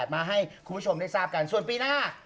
มาให้คุณผู้ชมได้ทราบกันส่วนปีหน้า